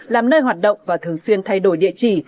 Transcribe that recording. làm nơi hoạt động và thường xuyên thay đổi địa chỉ